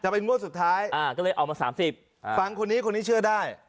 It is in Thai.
เป็นงวดสุดท้ายก็เลยเอามา๓๐ฟังคนนี้คนนี้เชื่อได้